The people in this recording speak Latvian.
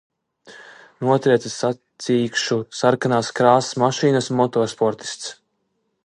Notrieca sacīkšu sarkanās krāsas mašīnas motosportists.